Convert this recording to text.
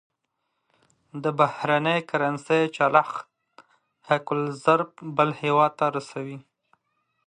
د بهرنۍ کرنسۍ چلښت حق الضرب بل هېواد ته رسوي.